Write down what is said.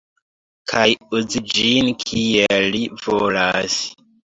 Kaj uzi ĝin kiel li volas.